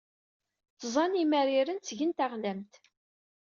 Tẓa n yimariren ttgen taɣlamt.